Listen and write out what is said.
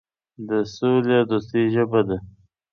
د سولې او دوستۍ ژبه ده.